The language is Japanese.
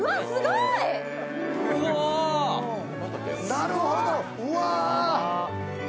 なるほど、うわ！